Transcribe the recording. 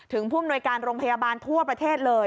ผู้อำนวยการโรงพยาบาลทั่วประเทศเลย